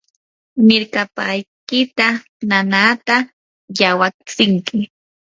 mirkapaykita nanaata yawatsinki.